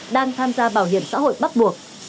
đang tham gia bảo hiểm xã hội bắt buộc